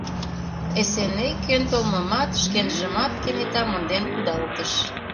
— Эсеней кӧн толмымат, шкенжымат кенета монден кудалтыш.